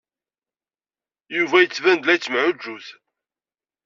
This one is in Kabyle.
Yuba yettban-d la yettemɛuǧǧut.